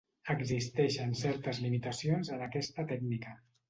Existeixen certes limitacions en aquesta tècnica.